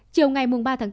chiều ngày ba bốn